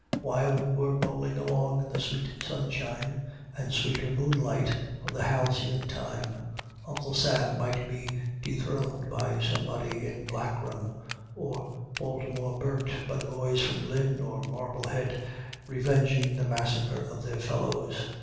While we were bowling along in the sweet sunshine and sweeter moonlight of the halcyon time, Uncle Sam might be dethroned by somebody in buckram, or Baltimore burnt by the boys from Lynn or Marblehead, revenging the massacre of their fellows.